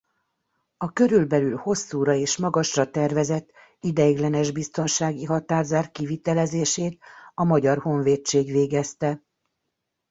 A körülbelül hosszúra és magasra tervezett ideiglenes biztonsági határzár kivitelezését a Magyar Honvédség végezte.